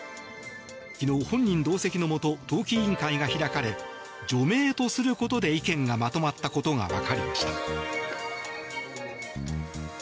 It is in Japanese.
昨日、本人同席のもと党紀委員会が開かれ除名とすることで意見がまとまったことがわかりました。